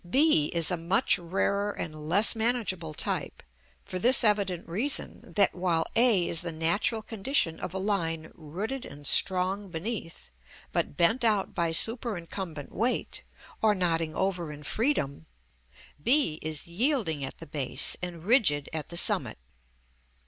b is a much rarer and less manageable type: for this evident reason, that while a is the natural condition of a line rooted and strong beneath, but bent out by superincumbent weight, or nodding over in freedom, b is yielding at the base and rigid at the summit.